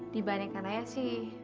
dibandingkan ayah sih